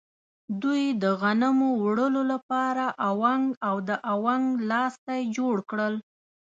دوی د غنمو وړلو لپاره اونګ او د اونګ لاستی جوړ کړل.